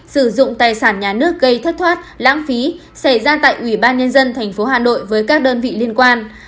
sử dụng tài sản nhà nước gây thất thoát lãng phí xảy ra tại ủy ban nhân dân tp hà nội với các đơn vị liên quan